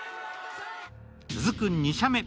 続く２射目。